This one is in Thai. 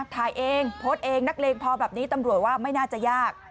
ถ่ายเองโพสต์เองนักเลงพอแบบนี้ตำรวจว่าไม่น่าจะยาก